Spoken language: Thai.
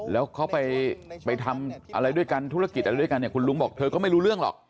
แล้วเขาไปทำอะไรด้วยกันธุรกิจอะไรด้วยกันเนี่ยคุณลุงบอกเธอก็ไม่รู้เรื่องหรอก